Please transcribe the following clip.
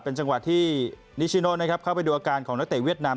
จังหวะที่นิชิโนนะครับเข้าไปดูอาการของนักเตะเวียดนาม